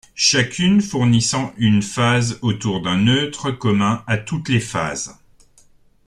Chacune fournissant une phase autour d'un neutre commun à toutes les phases.